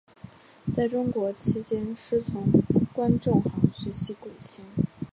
在中国期间师从关仲航学习古琴。